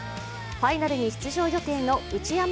ファイナルに出場予定の内山靖崇